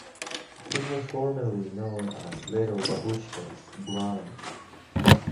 It was formerly known as Little Babooshka's Grind.